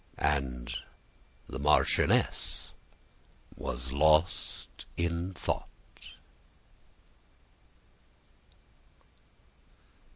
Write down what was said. And the marchioness was lost in thought.